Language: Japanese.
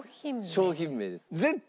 商品名です。